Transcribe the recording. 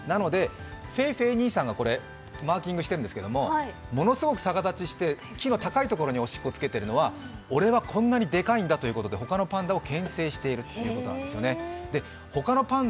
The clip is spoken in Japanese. なのでフェイフェイ兄さんがマーキングしてるんですけど、ものすごく逆立ちして、おしっこをつけているのは、俺はこんなにでかいんだと他のパンダをけん制しているということなんだそうです。